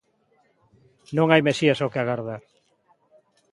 Non hai mesías ao que agardar.